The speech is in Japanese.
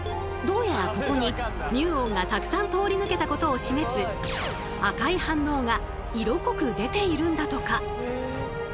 どうやらここにミューオンがたくさん通り抜けたことを示す赤い反応が色濃く出ているんだとか。